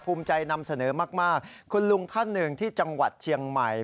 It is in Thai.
ภูมิใจนำเสนอมากคุณลุงท่านหนึ่งที่จังหวัดเชียงใหม่